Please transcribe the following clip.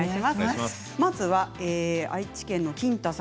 まずは愛知県の方